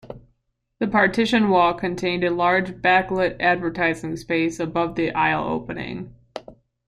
The partition wall contained a large backlit advertising space above the aisle opening.